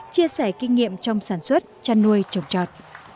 chia sẻ kinh nghiệm trong sản xuất chăn nuôi trồng trọt